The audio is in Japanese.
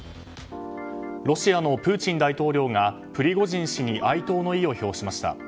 ロシアのプーチン大統領がプリゴジン氏に哀悼の意を表しました。